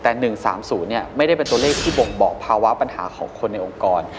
แต่๑๓๐ไม่ได้เป็นตัวเลขที่บ่งบอกภาวะปัญหาของคนในองค์กร